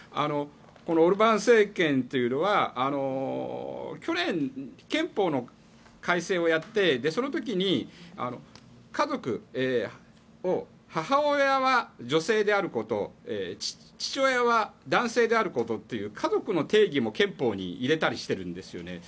このオルバーン政権というのは去年、憲法の改正をやってその時に母親は女性であること父親は男性であることという家族の定義も憲法に入れたりしてるんです。